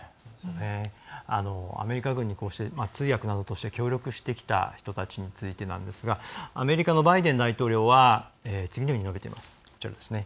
アメリカ軍に通訳などとして協力してきた人たちについてアメリカのバイデン大統領は次のように述べています。